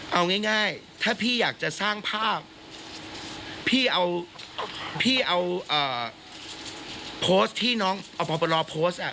เอาง่ายถ้าพี่อยากจะสร้างภาพพี่เอาโพสต์ที่น้องพอประโลก์โพสต์อะ